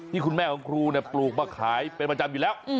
คุณแม่ของครูปมาขายเป็นประจำอยู่แล้ว